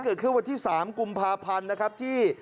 เกิดขึ้นวันที่๓๓กุมภาพันธุ์ที่ศูนย์พัฒนา